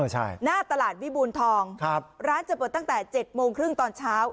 ใช่หน้าตลาดวิบูรทองครับร้านจะเปิดตั้งแต่๗โมงครึ่งตอนเช้า